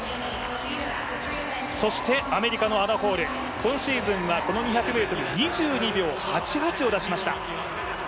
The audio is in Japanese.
そしてアメリカのアナ・ホール、今シーズンは２００ｍ２２秒８８を出しました。